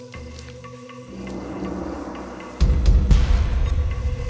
kami permisi dahulu